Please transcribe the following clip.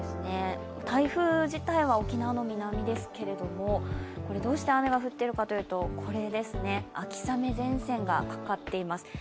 台風自体は沖縄の南ですけれどもどうして雨が降っているかというと秋雨前線がかかっています。